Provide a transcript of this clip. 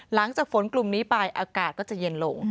หลังจากฝนกลุ่มนี้ไปอากาศก็จะเย็นลง